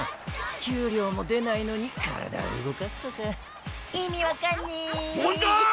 給料も出ないのに体動かすとか意味分かんねぇ・紋田！